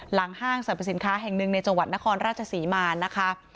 ห้างสรรพสินค้าแห่งหนึ่งในจังหวัดนครราชศรีมานะคะ